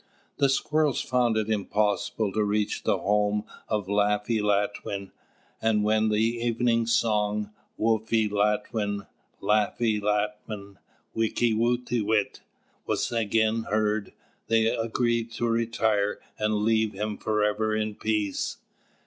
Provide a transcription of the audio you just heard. The Squirrels found it impossible to reach the home of Laffy Latwin, and when the evening song: "Woffy Latwin, Laffy Latwin, wicklootoowit," was again heard, they agreed to retire and leave him forever in peace.